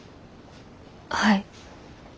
はい。